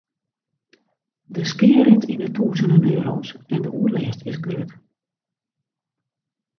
De skea rint yn 'e tûzenen euro's en de oerlêst is grut.